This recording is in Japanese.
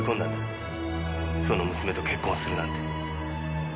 その娘と結婚するなんて。